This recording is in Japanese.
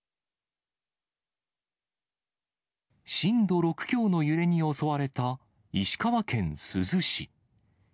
震度６強の揺れに襲われた石川県珠洲市。